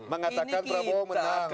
mengatakan prabowo menang